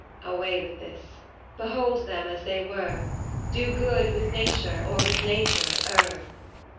220 Away with this! behold them as they were, Do good with Nature, or with Nature err.